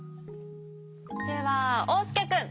ではおうすけくん